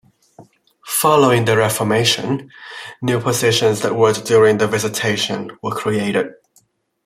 Following the Reformation, new positions that worked during the Visitation were created.